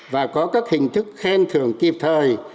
và có các hình thức khen thưởng kịp thời